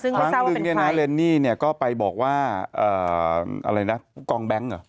ซึ่งนัทเลนนิก็ไปบอกว่าอะไรนะพวกองแบงก์เหรอ